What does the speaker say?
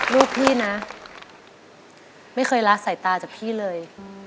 ลูกพี่นะไม่เคยละสายตาจากพี่เลย